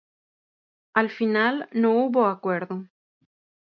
Al final no hubo acuerdo.